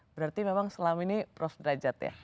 berarti memang selama ini prof derajat ya